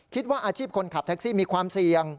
คิดว่าอาชีพคนขับแท็กซี่มีความเสี่ยง